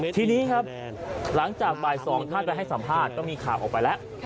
ทีนี้ครับหลังจากบ่าย๒ท่านไปให้สัมภาษณ์ก็มีข่าวออกไปแล้ว